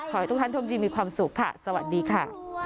ขอให้ทุกท่านโชคดีมีความสุขค่ะสวัสดีค่ะ